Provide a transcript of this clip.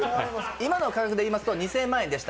今の価格でいいますと２０００万円でした。